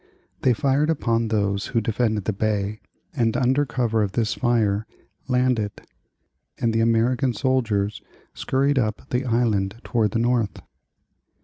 They fired upon those who defended the bay, and under cover of this fire landed; and the American soldiers scurried away up the island toward the north.